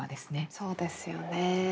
そうですよね。